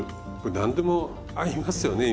何でも合いますよね